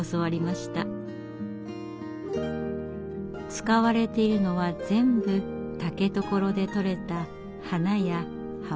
使われているのは全部竹所でとれた花や葉っぱです。